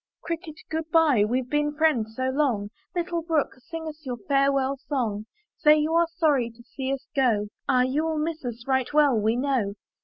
"Cricket, good by, weVe been friends so long, Little brook, sing us your farewell song; Say you are sorry to see us go; Ah, you will miss us, right well we know."